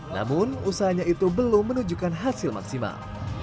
namun usahanya itu belum menunjukkan hasil maksimal